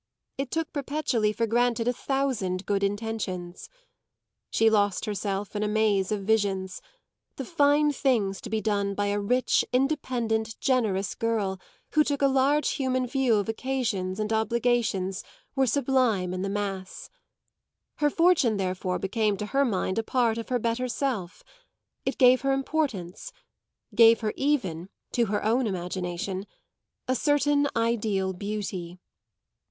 It took perpetually for granted a thousand good intentions. She lost herself in a maze of visions; the fine things to be done by a rich, independent, generous girl who took a large human view of occasions and obligations were sublime in the mass. Her fortune therefore became to her mind a part of her better self; it gave her importance, gave her even, to her own imagination, a certain ideal beauty.